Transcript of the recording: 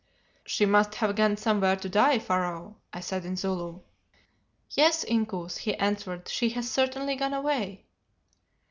"'She must have gone somewhere to die, Pharaoh,' I said in Zulu. "'Yes, Inkoos,' he answered, 'she has certainly gone away.